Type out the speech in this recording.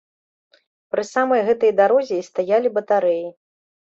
Пры самай гэтай дарозе і стаялі батарэі.